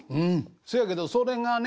そやけどそれがね